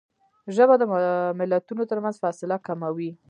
ژبه د ملتونو ترمنځ فاصله کموي